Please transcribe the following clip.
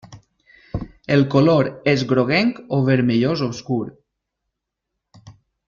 El color és groguenc o vermellós obscur.